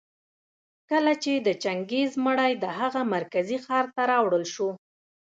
کله چي د چنګېز مړى د هغه مرکزي ښار ته راوړل شو